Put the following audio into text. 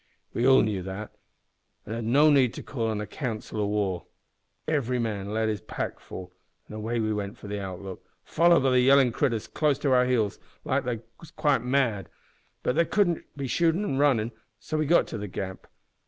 We all knew that, an' had no need to call a council o' war. Every man let his pack fall, an' away we went for the Outlook, followed by the yellin' critters closer to our heels than we quite liked. But they couldn't shoot runnin', so we got to the gap.